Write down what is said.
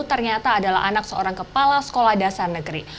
ternyata adalah anak seorang kepala sekolah dasar negeri